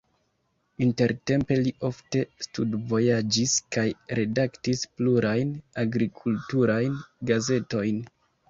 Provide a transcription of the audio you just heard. Intertempe li ofte studvojaĝis kaj redaktis plurajn agrikulturajn gazetojn.